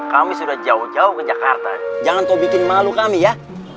kami sudah jauh jauh ke jakarta jangan kau bikin malu kami ya